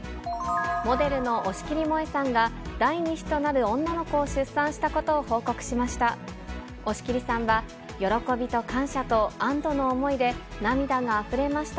モデルの押切もえさんが、第２子となる女の子を出産したことを報告しました。